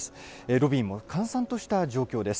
ロビーも閑散とした状況です。